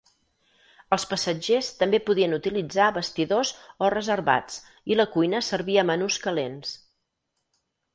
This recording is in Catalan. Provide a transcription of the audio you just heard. Els passatgers també podien utilitzar vestidors o reservats i la cuina servia menús calents.